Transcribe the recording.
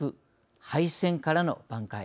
敗戦からの挽回。